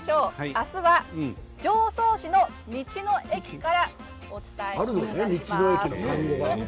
明日は、常総市の道の駅からお伝えします。